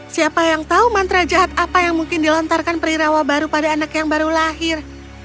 siapa yang tahu mantra jahat apa yang mungkin dilontarkan perirawa baru pada anak yang baru lahir